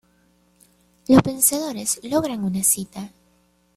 Los vencedores logran una cita.